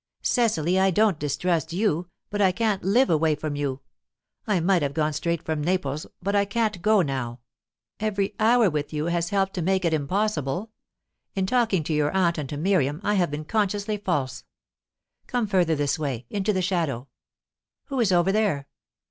"Cecily, I don't distrust you, but I can't live away from you. I might have gone straight from Naples, but I can't go now; every hour with you has helped to make it impossible. In talking to your aunt and to Miriam, I have been consciously false. Come further this way, into the shadow. Who is over there?"